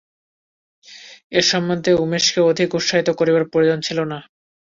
এ সম্বন্ধে উমেশকে অধিক উৎসাহিত করিবার প্রয়োজন ছিল না।